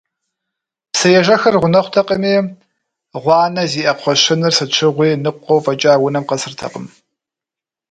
Псыежэхыр гъунэгъутэкъыми, гъуанэ зиӀэ кхъуэщыныр сыт щыгъуи ныкъуэу фӀэкӀа унэм къэсыртэкъым.